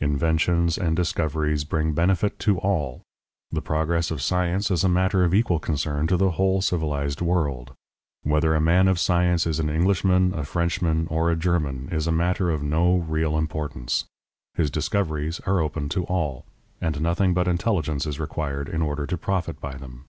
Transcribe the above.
Inventions and discoveries bring benefit to all. The progress of science is a matter of equal concern to the whole civilized world. Whether a man of science is an Englishman, a Frenchman, or a German is a matter of no real importance. His discoveries are open to all, and nothing but intelligence is required in order to profit by them.